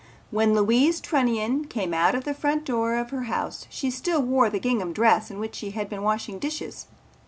When Louise Trunnion came out of the front door of her house she still wore the gingham dress in which she had been washing dishes.